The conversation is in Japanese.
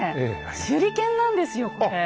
手裏剣なんですよこれ。